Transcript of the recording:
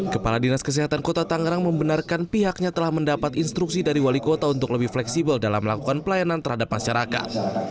kepala dinas kesehatan kota tangerang membenarkan pihaknya telah mendapat instruksi dari wali kota untuk lebih fleksibel dalam melakukan pelayanan terhadap masyarakat